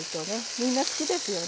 みんな好きですよね。